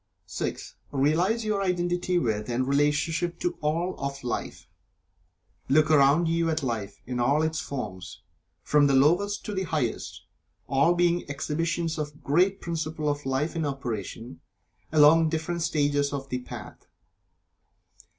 (6) Realize your identity with and relationship to All of Life. Look around you at Life in all its forms, from the lowest to the highest, all being exhibitions of the great principle of Life in operation along different stages of The Path.